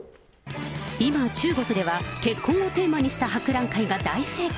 今、中国では、結婚をテーマにした博覧会が大盛況。